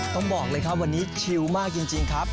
ต้องบอกเลยครับวันนี้ชิลมากจริงครับ